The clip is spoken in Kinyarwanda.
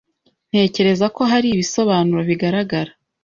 Ntekereza ko hari ibisobanuro bigaragara.